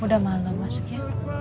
udah malem masuk ya